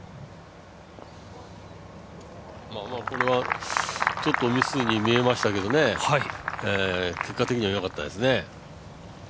これはちょっとミスに見えましたけど、結果的にはよかったですね。